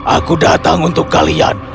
aku datang untuk kalian